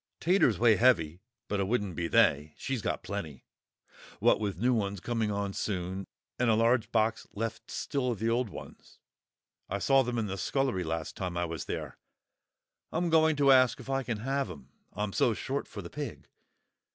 "Taters weigh heavy, but it wouldn't be they; she's got plenty, what with new ones coming on soon, and a large box left still of the old ones; I saw them in the scullery last time I was there. I'm going to ask if I can have 'em, I'm so short for the pig.